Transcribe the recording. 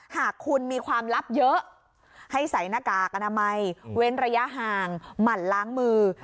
หากคุณมีความลับเยอะให้ใส่หน้ากากอนามัยเว้นระยะห่างหมั่นล้างมือ